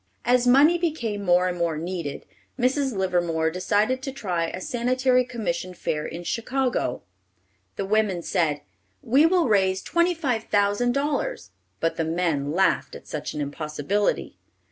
As money became more and more needed, Mrs. Livermore decided to try a sanitary commission fair in Chicago. The women said, "We will raise twenty five thousand dollars," but the men laughed at such an impossibility.